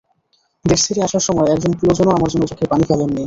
দেশ ছেড়ে আসার সময় একজন প্রিয়জনও আমার জন্য চোখের পানি ফেলেননি।